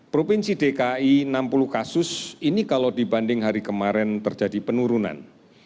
provinsi dki enam puluh kasus ini kalau dibanding hari kemarin terjadi penurunan